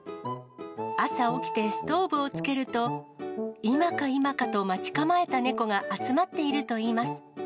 朝起きてストーブをつけると、今か今かと待ち構えた猫が集まっているといいます。